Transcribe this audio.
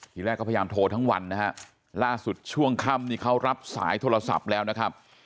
ทีแรกก็พยายามโทรทั้งวันนะฮะล่าสุดช่วงค่ำนี่เขารับสายโทรศัพท์แล้วนะครับ